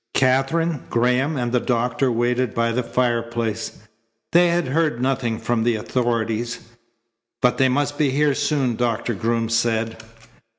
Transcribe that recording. Katherine, Graham, and the doctor waited by the fireplace. They had heard nothing from the authorities. "But they must be here soon," Doctor Groom said.